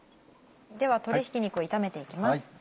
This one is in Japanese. では鶏ひき肉を炒めていきます。